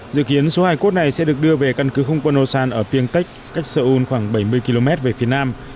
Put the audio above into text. dự kiến số hai cốt này sẽ được đưa về căn cứ không quân osan ở piang tech cách seoul khoảng bảy mươi km về phía nam